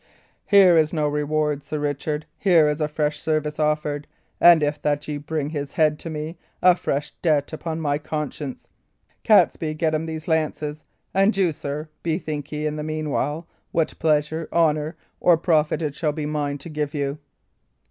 "Here is no reward, Sir Richard; here is fresh service offered, and, if that ye bring his head to me, a fresh debt upon my conscience. Catesby, get him these lances; and you, sir, bethink ye, in the meanwhile, what pleasure, honour, or profit it shall be mine to give you."